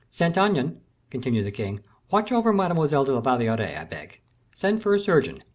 "Saint Aignan," continued the king, "watch over Mademoiselle de la Valliere, I beg. Send for a surgeon.